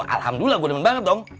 alhamdulillah gue nemen banget dong